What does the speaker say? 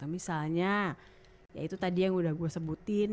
misalnya ya itu tadi yang udah gue sebutin